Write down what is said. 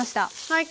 はい。